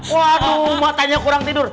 waduh matanya kurang tidur